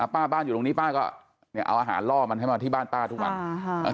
ป้าบ้านอยู่ตรงนี้ป้าก็เอาอาหารล่อมันให้มาที่บ้านป้าทุกวัน